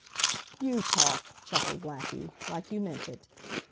"You talk," chuckled Blackie, "like you meant it.